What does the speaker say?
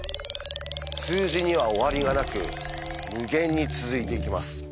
数字には終わりがなく無限に続いていきます。